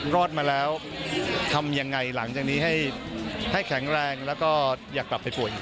รอดมาแล้วทำยังไงหลังจากนี้ให้แข็งแรงแล้วก็อยากกลับไปป่วย